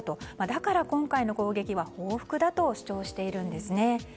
だから今回の攻撃は報復だと主張しているんです。